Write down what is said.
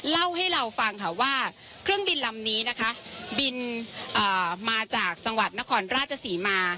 เล่าให้เราฟังค่ะว่าเครื่องบินลำนี้นะคะบินมาจากจังหวัดนครราชศรีมา